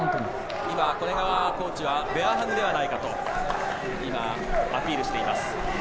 今、コーチはベアハグではないかとアピールしています。